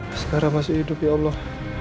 sekarang masih hidup ya allah